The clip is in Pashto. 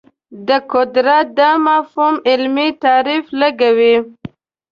د قدرت دا مفهوم علمي تعریف لګوي